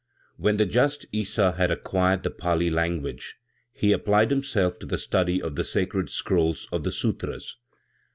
When the just Issa had acquired the Pali language, he applied himself to the study of the sacred scrolls of the Sutras.